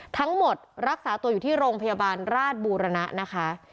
รักษาตัวอยู่ที่โรงพยาบาลราชบูรณะนะคะ